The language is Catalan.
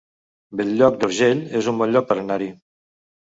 Bell-lloc d'Urgell es un bon lloc per anar-hi